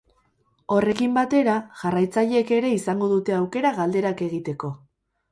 Horrekin batera, jarraitzaileek ere izango dute aukera galderak egiteko.